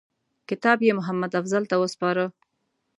کتاب یې محمدافضل ته وسپاره.